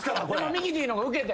ミキティーの方がウケた。